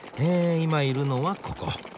今いるのはここ。